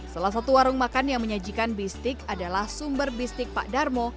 salah satu warung makan yang menyajikan bistik adalah sumber bistik pak darmo